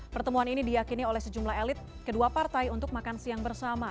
pertemuan ini diakini oleh sejumlah elit kedua partai untuk makan siang bersama